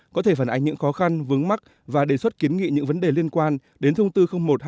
có thể phản ánh những khó khăn vướng mắt và đề xuất kiến nghị những vấn đề liên quan đến thông tư một hai nghìn hai